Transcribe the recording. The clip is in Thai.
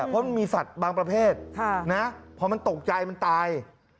เพราะมันมีสัตว์บางประเภทพอมันตกใจมันตาย